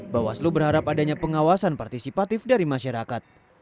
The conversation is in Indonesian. bawaslu berharap adanya pengawasan partisipatif dari masyarakat